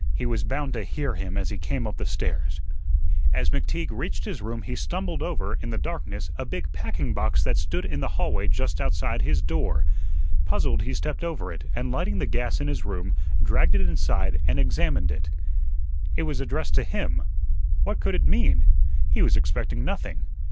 He was bound to hear him as he came up the stairs. As McTeague reached his room he stumbled over, in the darkness, a big packing box that stood in the hallway just outside his door. Puzzled, he stepped over it, and lighting the gas in his room, dragged it inside and examined it. It was addressed to him. What could it mean? He was expecting nothing.